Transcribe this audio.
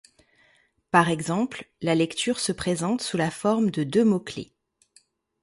Par exemple, la lecture se présente sous la forme de deux mots-clefs.